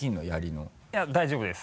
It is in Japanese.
槍の大丈夫です。